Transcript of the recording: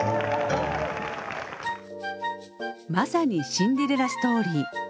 まさにシンデレラストーリー。